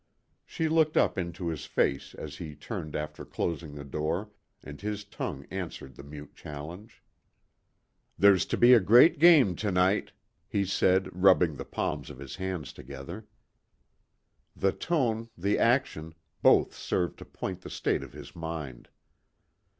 She looked up into his face as he turned after closing the door, and his tongue answered the mute challenge. "There's to be a great game to night," he said, rubbing the palms of his hands together. The tone, the action, both served to point the state of his mind.